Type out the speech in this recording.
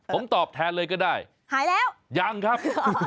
ผมตอบแทนเลยก็ได้หายแล้วยังครับ